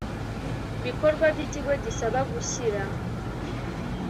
bikorwa by ikigo gisaba gushyira